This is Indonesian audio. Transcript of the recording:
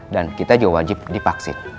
dan kita juga wajib dipaksin